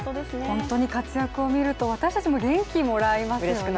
本当に活躍を見ると私たちも元気もらいますね。